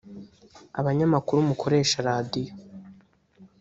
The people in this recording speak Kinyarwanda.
Abanyamakuru mukoresha radiyo